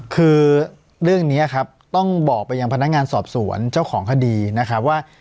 คือเรื่องนี้ครับต้องบอกไปยังพนักงานสอบสวนเจ้าของคดีนะครับว่า